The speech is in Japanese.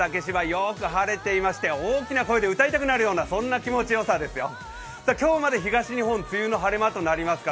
よく晴れていまして大きな声で歌いたくなるような気持ちよさですよ。